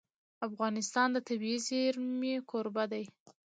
افغانستان د طبیعي زیرمې کوربه دی.